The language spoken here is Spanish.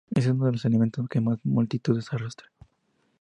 Es uno de los eventos que más multitudes arrastra.